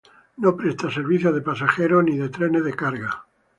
No presta servicios de pasajeros ni de trenes de carga.